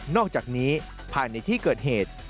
อกจากนี้ภายในที่เกิดเหตุ